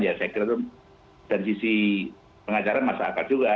ya saya kira itu dari sisi pengacara masyarakat juga